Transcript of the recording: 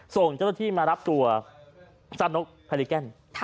ส่งเจ้าตัวที่มารับตัวจัดนกพลิแก้น